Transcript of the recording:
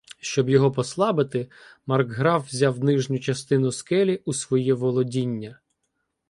Щоб його послабити маркграф взяв нижню частину скелі у своє володіння.